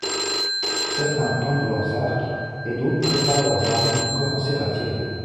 Certains tendent leurs arcs et d'autres préparent leurs armes pour commencer à tirer.